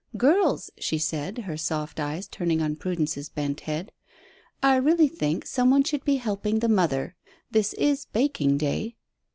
"Girls," she said, her soft eyes turning on Prudence's bent head, "I really think some one should be helping the mother. This is baking day."